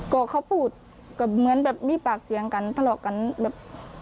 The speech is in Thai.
ก็เขาพูดก็เหมือนแบบมีปากเสียงกันทะเลาะกันแบบ